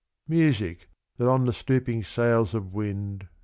. Music, that on the stooping sails of wind.